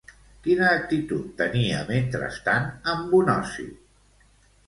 Quina actitud tenia mentrestant en Bonosi?